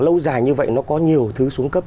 lâu dài như vậy nó có nhiều thứ xuống cấp